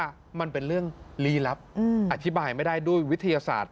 มันเป็นเรื่องลีลับอธิบายไม่ได้ด้วยวิทยาศาสตร์